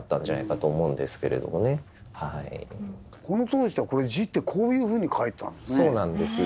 この当時って「じ」ってこういうふうに書いたんですね。